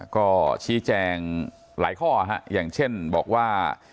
ก็ชี้แจงหลายข้ออย่างเช่นบอกว่า